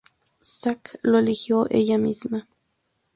Saks lo eligió ella misma.